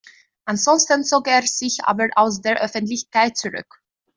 Ansonsten zog er sich aber aus der Öffentlichkeit zurück.